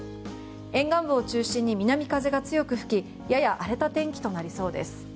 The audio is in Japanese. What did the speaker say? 沿岸部を中心に南風が強く吹きやや荒れた天気となりそうです。